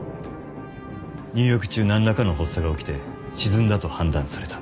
入浴中何らかの発作が起きて沈んだと判断された。